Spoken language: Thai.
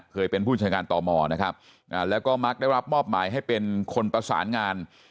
เคยเป็นผู้จัดการต่อมอนะครับแล้วก็มักได้รับมอบหมายให้เป็นคนประสานงาน